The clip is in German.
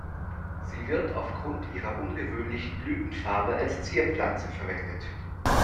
Sie wird aufgrund ihrer ungewöhnlichen Blütenfarbe als Zierpflanze verwendet.